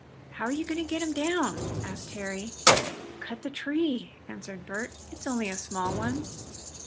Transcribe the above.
"How are you going to get him down?" asked Harry. "Cut the tree," answered Bert. "It's only a small one."